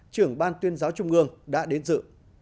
trưởng ban tuyên giáo trung ương đã đến dự